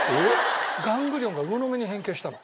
ガングリオンが魚の目に変形したの。